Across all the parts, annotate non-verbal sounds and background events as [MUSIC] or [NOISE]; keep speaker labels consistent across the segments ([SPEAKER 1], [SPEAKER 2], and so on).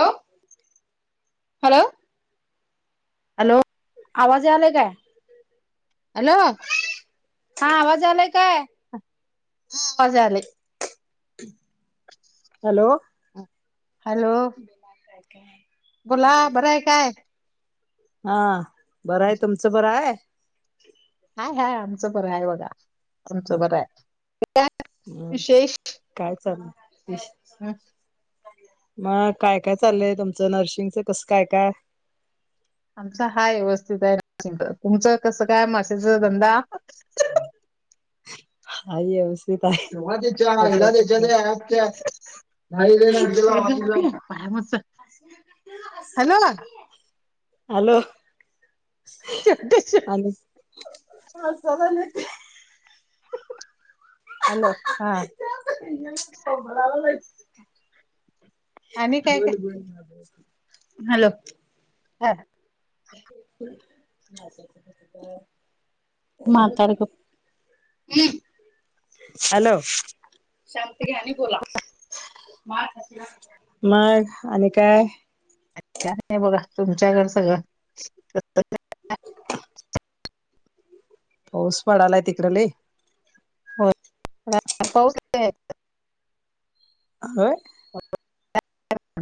[SPEAKER 1] Hello hello
[SPEAKER 2] hello
[SPEAKER 1] आवाज आलाय काय
[SPEAKER 2] हॅलो
[SPEAKER 1] हा आवाज आलाय काय
[SPEAKER 2] मजाले
[SPEAKER 1] हॅलो
[SPEAKER 2] हॅलो
[SPEAKER 1] [UNINTELLIGIBLE]
[SPEAKER 2] बोला बरं आहे काय
[SPEAKER 1] हा बरं आहे तुमचं बर आहे
[SPEAKER 2] हाय हाय आमचं बरय बघा आमचं
[SPEAKER 1] ह
[SPEAKER 2] बरं आहे
[SPEAKER 1] हम काय चाललं
[SPEAKER 2] हम
[SPEAKER 1] मग काय काय चाललंय तुमचं नर्सिंगचं कसं काय काय
[SPEAKER 2] आमचा हा व्यवस्थित आहे निश्चि तुमचं कसं काय माशचा धंदा
[SPEAKER 1] ह
[SPEAKER 2] एव्हा तेच्या एला देच्या ते नाही र ना पाय म
[SPEAKER 1] हॅलो अध
[SPEAKER 2] हॅलो हा
[SPEAKER 1] कबळा
[SPEAKER 2] आणि काय
[SPEAKER 1] बोल
[SPEAKER 2] काय
[SPEAKER 1] बोल हॅलो
[SPEAKER 2] हा
[SPEAKER 1] माातड क हम्म हॅलो शांती घ्यानी बोला मा मग आणि काय
[SPEAKER 2] अछ नाही बघा तुमच्या घर सगळं
[SPEAKER 1] पाऊस पडालाय तिकड ल
[SPEAKER 2] हो पाऊस
[SPEAKER 1] आ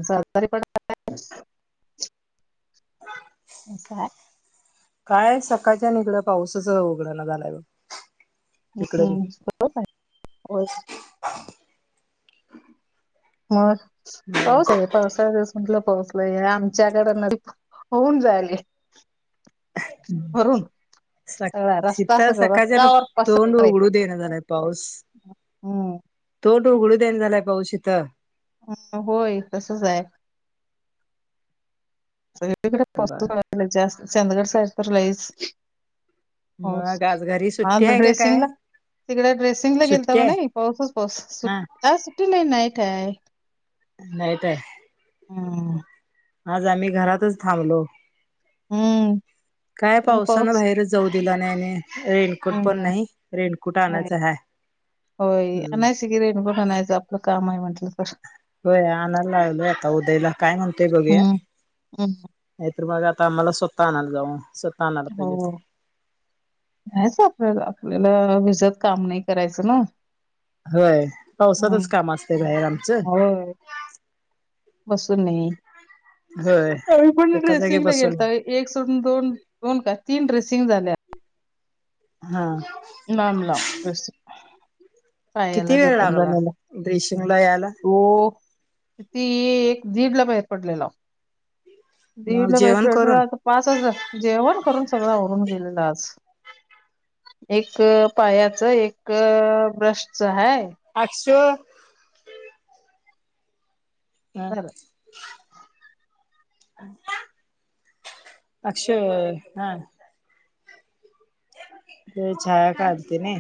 [SPEAKER 2] सरकार प असशा
[SPEAKER 1] काय सकाळच्या निकड पावसाच उघड ना झालाय बघ इिकड
[SPEAKER 2] हो हो म हो ते पावसाळ दिवस म्हटलं पाोसलं आमच्याकडे न होऊन जायल कररून सगळा रस्ता
[SPEAKER 1] इथं
[SPEAKER 2] सगळ
[SPEAKER 1] सकाळच्यान
[SPEAKER 2] रस्त्यावर
[SPEAKER 1] तोंड
[SPEAKER 2] पसरे
[SPEAKER 1] उघडू देणं झालाय
[SPEAKER 2] हम
[SPEAKER 1] तोड उघडू दे्यान झालाय पावशीथ
[SPEAKER 2] ह होय तसच आहे
[SPEAKER 1] बर
[SPEAKER 2] डेस्स्त चंदगड सा्रला हो
[SPEAKER 1] मग आज घरी
[SPEAKER 2] आ
[SPEAKER 1] सुट्टी आहे का काय
[SPEAKER 2] ड्रेसिंगला तिकडे ड्रेसिंग ला गेलत
[SPEAKER 1] सुट्टी
[SPEAKER 2] का
[SPEAKER 1] आहे
[SPEAKER 2] नाही पाऊसच पाऊस
[SPEAKER 1] हा
[SPEAKER 2] सुट्ट आ सुठे मन ये ठेय
[SPEAKER 1] नाहीेतय
[SPEAKER 2] हम
[SPEAKER 1] आज आम्ही घरातच थांबलो
[SPEAKER 2] हम्म
[SPEAKER 1] काय
[SPEAKER 2] तुम्ही
[SPEAKER 1] पावसानं
[SPEAKER 2] पाऊस
[SPEAKER 1] बाहेरच जाऊ दिला नने रे कट पण
[SPEAKER 2] हम्म,
[SPEAKER 1] नाही रेनकोट
[SPEAKER 2] होय
[SPEAKER 1] आणायच ह हम्म
[SPEAKER 2] ेकचं आपलं काम आहे म्हंटलं तर.
[SPEAKER 1] हो आणायला लागलो आता उद्याला काय म्हणतोय बघूया.
[SPEAKER 2] हम्म हम्म,
[SPEAKER 1] नाही तर मग आता आम्हाला स्वतः आणायला जाऊ. आणायला पाहिजेत
[SPEAKER 2] हो. नाहीच आपल्याला आपल्याला विजत काम नाही करायचं ना
[SPEAKER 1] होय पावसातच काम असते बाहेर आमचं.
[SPEAKER 2] होम बसून नाही
[SPEAKER 1] होय
[SPEAKER 2] ह पण
[SPEAKER 1] एका जागी
[SPEAKER 2] ड्रेसिंगला गेल.
[SPEAKER 1] बसून
[SPEAKER 2] एक सोडून दोन दोन का तीन ड्रेसिंग झाल्या.
[SPEAKER 1] हा
[SPEAKER 2] मामला.
[SPEAKER 1] किती वेळ लागला ब्रिशिंगला यायला.
[SPEAKER 2] हो त एक झीड ला बाहेर पडलेला.
[SPEAKER 1] मग
[SPEAKER 2] दिवलं
[SPEAKER 1] जेवण करून
[SPEAKER 2] पाहिटर पाच हजार जेवण करून सगळं होरून गेलेला आज. एक पायाच एक ब्रशच हा.
[SPEAKER 1] आठश. हम
[SPEAKER 2] झालं.
[SPEAKER 1] अक्षय हा. ते छाया काढतेने.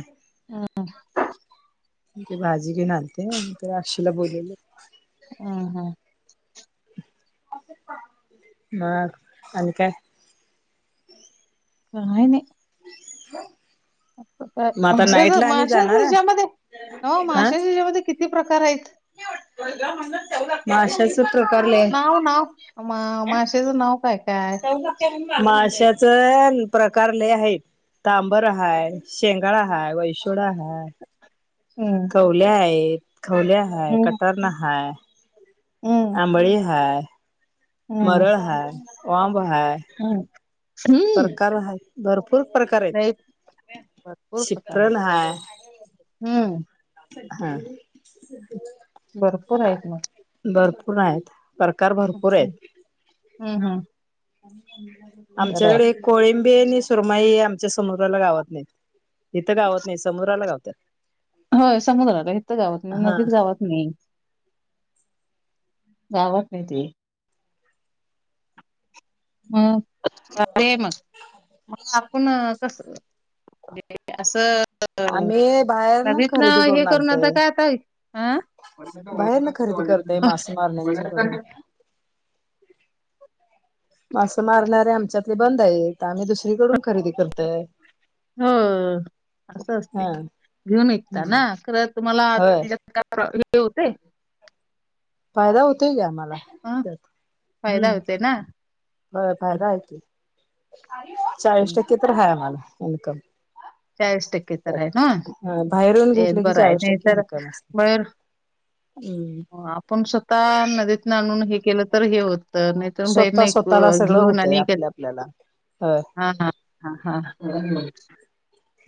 [SPEAKER 2] हा
[SPEAKER 1] ते भाजी घेनालते अक्षीला बोलवले.
[SPEAKER 2] ह हा.
[SPEAKER 1] ह आणि काय..
[SPEAKER 2] काय नाही
[SPEAKER 1] हा
[SPEAKER 2] माशच
[SPEAKER 1] जाणार आहे
[SPEAKER 2] माशाच्याच्यामध्ये न माशाच्याच्यामध्ये किती प्रकार आहेत.
[SPEAKER 1] ाच [UNINTELLIGIBLE] करी ले
[SPEAKER 2] नाव नाव माशचं नाव काय काय.
[SPEAKER 1] माशाच प्रकार लई आहे. तांबर हाय शेंगाळा हाय वैसोडा हाय.
[SPEAKER 2] हम्
[SPEAKER 1] खोल्या आहेत खवल्या हाय
[SPEAKER 2] हं.
[SPEAKER 1] कटारन हाय.
[SPEAKER 2] हं.
[SPEAKER 1] आंबळी हाय मरळ हाय वांब हाय.
[SPEAKER 2] हम्
[SPEAKER 1] प्रकार आहे भरपूर प्रकार
[SPEAKER 2] नाहीत
[SPEAKER 1] आहेत शिप्रण हाय
[SPEAKER 2] हम्
[SPEAKER 1] हा
[SPEAKER 2] भरपूर आहेत मग
[SPEAKER 1] भरपूर आहेत. प्रकार
[SPEAKER 2] हम्
[SPEAKER 1] भरपूर
[SPEAKER 2] हम्
[SPEAKER 1] आहेत
[SPEAKER 2] हम् हम्.
[SPEAKER 1] आमच्याकडे कोळिंबी आणि सुरमाई आमच्या समुद्राला गावत नाहीत. इथं गावत नाही समुद्राला गावतात.
[SPEAKER 2] होय समुद्रला इथं गावत
[SPEAKER 1] हा
[SPEAKER 2] नदीत गावत. [UNINTELLIGIBLE] नाही ते. ह अरे आहे मग आपण कस. असं
[SPEAKER 1] आम्ही बाहेर
[SPEAKER 2] नवीत ना
[SPEAKER 1] खरेदी
[SPEAKER 2] हे करून आता
[SPEAKER 1] आणतय
[SPEAKER 2] काय आता हं.
[SPEAKER 1] बाहेर ना खरेदी करतय मासे मारण्याच्याकडं
[SPEAKER 2] [UNINTELLIGIBLE]
[SPEAKER 1] मासे मारणारे आमच्यातले बंद आहेत आम्ही दुसरीकडून खरेदी करतोय.
[SPEAKER 2] हो असं असतेय
[SPEAKER 1] हा
[SPEAKER 2] घेऊन इकता
[SPEAKER 1] हम्म
[SPEAKER 2] ना खरं तुम्हाला.
[SPEAKER 1] होय
[SPEAKER 2] [UNINTELLIGIBLE] [UNINTELLIGIBLE] हे होते,
[SPEAKER 1] फायदा होतोय कीआम्हाला,
[SPEAKER 2] अ?
[SPEAKER 1] त्यात
[SPEAKER 2] फायदा
[SPEAKER 1] हम्,
[SPEAKER 2] होते ना?
[SPEAKER 1] होय
[SPEAKER 2] हं,
[SPEAKER 1] फायदा आहे की, चाळीस
[SPEAKER 2] हं.
[SPEAKER 1] टक्के तर आहे आम्हाला, इन्कम.
[SPEAKER 2] चाळीस टक्के,
[SPEAKER 1] त्या बाहेरून घेतलं की,
[SPEAKER 2] बरं आहे.
[SPEAKER 1] चाळीस टक्के इन्कम असते.
[SPEAKER 2] नाहीतर
[SPEAKER 1] हम्म,
[SPEAKER 2] पण स्वतः नदीत ना आणून, हे केलं तर हे होत. नाही त बाहीर
[SPEAKER 1] स्वतः
[SPEAKER 2] नाही
[SPEAKER 1] स्वतःला सगळं
[SPEAKER 2] घेऊन
[SPEAKER 1] होतंय
[SPEAKER 2] अनेक, [UNINTELLIGIBLE]
[SPEAKER 1] आपल्या आपल्याला ह
[SPEAKER 2] हा, हा, हा, हा,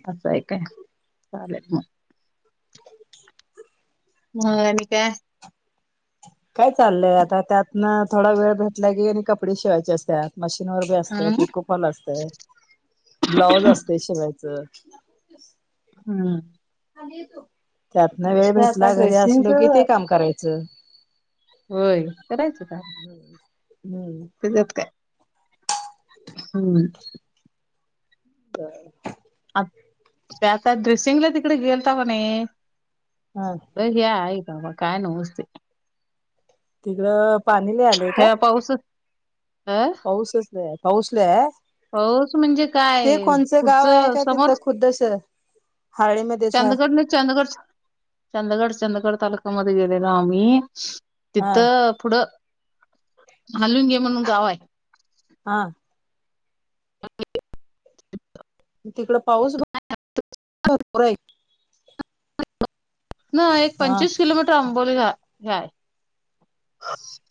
[SPEAKER 2] असं आहे काय, चालेल मग, म आणि काय?
[SPEAKER 1] काय चाललंय आता, त्यातन थोडा वेळ भेटला की, आणि कपडे शिवायचे असतात. मशीन वर बी असतय,
[SPEAKER 2] हं?
[SPEAKER 1] पिकोफॉल असतय, ब्लाउज असतय शिवायचं.
[SPEAKER 2] हम्म,
[SPEAKER 1] त्यातन वेळ
[SPEAKER 2] आता
[SPEAKER 1] भेटला, घरी
[SPEAKER 2] ड्रेसिंगच
[SPEAKER 1] असलो की ते, काम करायचं.
[SPEAKER 2] होय, करायचं काम, [UNINTELLIGIBLE]
[SPEAKER 1] हम्म
[SPEAKER 2] त्याच्यात काय, हम्,
[SPEAKER 1] बरं,
[SPEAKER 2] आ, ते आता ड्रेसिंगला, तिकडे गेलताव कानी
[SPEAKER 1] हा,
[SPEAKER 2] लय हे की, बाबा काय नव्हच ते,
[SPEAKER 1] तिकडं, पाणी लय आलंय काय
[SPEAKER 2] ह्या पाऊसच [UNINTELLIGIBLE] ह,
[SPEAKER 1] पाऊसच लई हाय, पाऊस लई हाये!
[SPEAKER 2] पाऊस म्हणजे काय,
[SPEAKER 1] गाव
[SPEAKER 2] पुढचं, समोर
[SPEAKER 1] हळीमध्ये,
[SPEAKER 2] चंदगड न, चंदगड, चंदगड, चंदगड, तालुका मध्ये गेलेलो, आम्ही
[SPEAKER 1] हा
[SPEAKER 2] तिथं पुढं, हालून घे म्हणून गाव आहे.
[SPEAKER 1] हा, तिकड पाऊस, भरपूर आहे.
[SPEAKER 2] हितन एक
[SPEAKER 1] हा
[SPEAKER 2] पंचवीस किलोमीटर, आंबोली गावे हे आहे.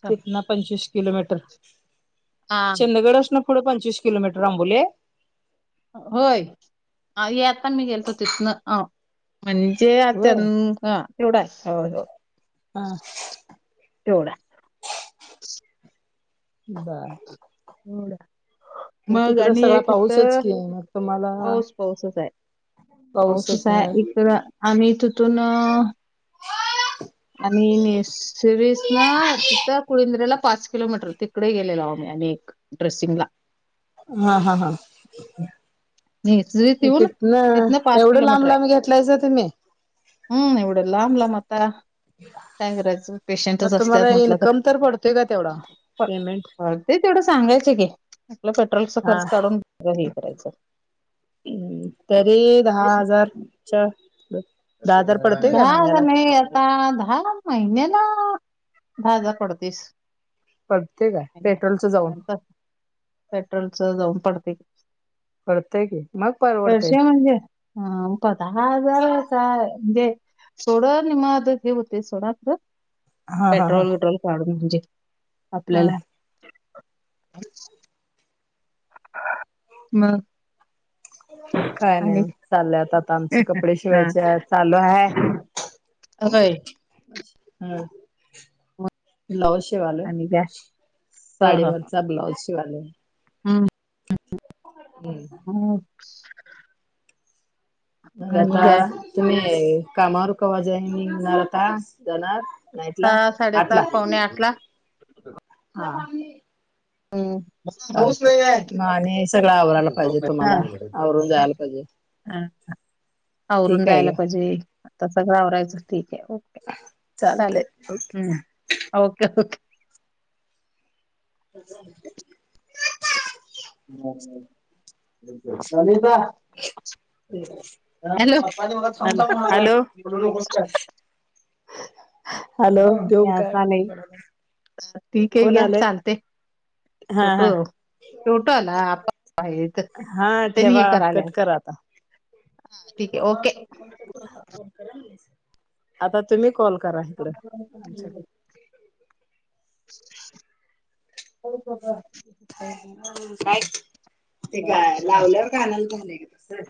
[SPEAKER 1] तिथ ना पंचवीस किलोमीटर,
[SPEAKER 2] हा
[SPEAKER 1] चंदगड असना पुढं पंचवीस किलोमीटर अबोली आहे,
[SPEAKER 2] होय, हे आता मी गेलतो तिथनं म्हणजे आ ते
[SPEAKER 1] व्हय
[SPEAKER 2] [UNINTELLIGIBLE] न तेवड हाय.
[SPEAKER 1] हा
[SPEAKER 2] [UNINTELLIGIBLE] तेवढा
[SPEAKER 1] [UNINTELLIGIBLE] बर,
[SPEAKER 2] मग
[SPEAKER 1] तिकड
[SPEAKER 2] आणि
[SPEAKER 1] सगळा
[SPEAKER 2] एक हित,
[SPEAKER 1] पाऊसच की मग तुम्हाला
[SPEAKER 2] पाऊस पाऊसच आहे. पाऊसच आहे, एकतर आम्ही तिथून आणि नीसरिसना तिथ, कुळिंद्रला पाच किलोमीटर, तिकडे गेलेलो आमी अनेक ड्रेस्सिंगला
[SPEAKER 1] हा, हा, हा,
[SPEAKER 2] निसरीत
[SPEAKER 1] म
[SPEAKER 2] येऊन
[SPEAKER 1] तिथ ना,
[SPEAKER 2] तिथनं पाच
[SPEAKER 1] एवढं लांब,
[SPEAKER 2] किलोमीटर आहे.
[SPEAKER 1] लांब घेतलाययसा तुम्ही
[SPEAKER 2] हम्म एवढं लांब लाब, आता काय करायचं, पेशंटच
[SPEAKER 1] मग तुम्हाला
[SPEAKER 2] असतात म्हटलं तर
[SPEAKER 1] इन्कम पडतोय का तेवढा पेमेंट
[SPEAKER 2] पळ ते तेवढं सांगायच की, आपलं पेट्रोलचा
[SPEAKER 1] हा
[SPEAKER 2] खर्च काढून. हे करायचं.
[SPEAKER 1] हम्, तरी दहा हजारच्या दहा हजार पडतोय का
[SPEAKER 2] दहा हजार
[SPEAKER 1] महिन्याला
[SPEAKER 2] नाही. आता दहा महिन्या ला, दहा हजार पडतीस.
[SPEAKER 1] पडतय काय पेट्रोलच जाऊन
[SPEAKER 2] [UNINTELLIGIBLE] पेट्रोलच जाऊन पडतयं
[SPEAKER 1] पडतय की मग परवडतय
[SPEAKER 2] पैसे म्हणजे हा प दहा हजार म्हणजे जे थोड निम आद हे होतयच सोडा खरं.
[SPEAKER 1] हा हा हा
[SPEAKER 2] पेट्रोल विेट्रोल काढून म्हणजे
[SPEAKER 1] हा
[SPEAKER 2] आपल्याला मग
[SPEAKER 1] काय नाही
[SPEAKER 2] आणि
[SPEAKER 1] ओ चालल्यात आता आमचे कपडे
[SPEAKER 2] हा,
[SPEAKER 1] शिवायची आहेत चालू आहे.
[SPEAKER 2] व्हयं.
[SPEAKER 1] हम्म. ब्लाऊज शिवायलोय
[SPEAKER 2] आणि काय
[SPEAKER 1] साडीवरचा ब्लाउज शिवालोय..
[SPEAKER 2] हम्म.
[SPEAKER 1] हम्म.
[SPEAKER 2] उप्स.
[SPEAKER 1] मग आता
[SPEAKER 2] काय
[SPEAKER 1] तुम्ही कामावर कवा जॉईंनींग होणार आता जाणार. नाईटला
[SPEAKER 2] सहा
[SPEAKER 1] आटला.
[SPEAKER 2] साडेसात पावणे आठ ला
[SPEAKER 1] हा.
[SPEAKER 2] हम पाऊस
[SPEAKER 1] चालतंय.
[SPEAKER 2] लई आये
[SPEAKER 1] मग आणि सगळं आवरायला पाहिजे
[SPEAKER 2] हा.
[SPEAKER 1] तुम्हाला आवरून जायला पाहिजे
[SPEAKER 2] हा ह आवरून
[SPEAKER 1] ठीक आहे
[SPEAKER 2] जायला
[SPEAKER 1] घ्या.
[SPEAKER 2] पाहिजे. आता सगळं आवरायचं ठीक आहे ओके
[SPEAKER 1] चालतंय
[SPEAKER 2] चालेल
[SPEAKER 1] ओके.
[SPEAKER 2] हम्म ओके ओके.
[SPEAKER 1] [UNINTELLIGIBLE]
[SPEAKER 2] गणेश दा हॅलो पप्पांनी मला खाऊन
[SPEAKER 1] हॅलो
[SPEAKER 2] चावून मारलाय
[SPEAKER 1] हॅलो
[SPEAKER 2] बोलू नकोस काय अ ह ह.
[SPEAKER 1] हॅलो ठेवू
[SPEAKER 2] घ्या
[SPEAKER 1] काय
[SPEAKER 2] चालेल ठीक आहे
[SPEAKER 1] कोण
[SPEAKER 2] घ्या
[SPEAKER 1] आलंय?
[SPEAKER 2] चालतय.
[SPEAKER 1] हा हा
[SPEAKER 2] उठव कुटो आला आप हयात
[SPEAKER 1] हा
[SPEAKER 2] त्यांनी हे
[SPEAKER 1] ठेवा कट
[SPEAKER 2] करायल्यात.
[SPEAKER 1] करा आता.
[SPEAKER 2] ठीक आहे ओके.
[SPEAKER 1] आता तुम्ही कॉल करा हिकड आमच्याकड.
[SPEAKER 2] [UNINTELLIGIBLE]
[SPEAKER 1] काय ते काय लावल्यावर कानाला झालंय ग तस.